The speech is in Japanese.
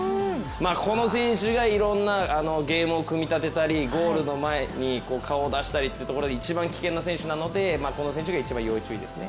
この選手がいろんなゲームを組み立てたりゴールの前に顔を出したりと一番危険な選手なのでこの選手が一番要注意ですね。